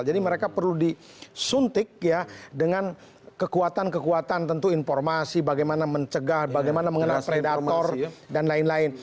jadi mereka perlu disuntik ya dengan kekuatan kekuatan tentu informasi bagaimana mencegah bagaimana mengenal predator dan lain lain